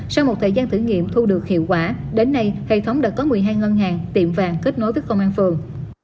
sau một thời gian thử nghiệm thu được hiệu quả đến nay hệ thống đã có một mươi hai ngân hàng tiệm vàng kết nối với công an phường